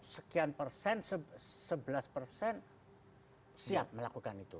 sekian persen sebelas persen siap melakukan itu